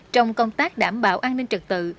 trong công tác đảm bảo an ninh trật tự